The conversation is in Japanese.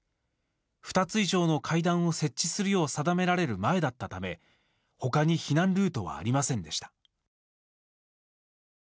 ２つ以上の階段を設置するよう定められる前だったためほかに避難ルートはありませんでした。